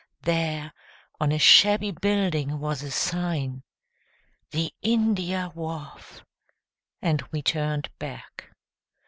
There on a shabby building was a sign "The India Wharf "... and we turned back.